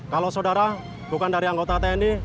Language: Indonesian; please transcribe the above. kalau saudara bukan dari anggota tni